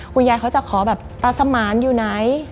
คุณยายเขาจะขอแบบตาสมานอยู่ไหน